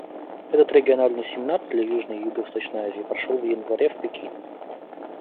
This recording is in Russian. Этот региональный семинар для Южной и Юго-Восточной Азии прошел в январе в Пекине.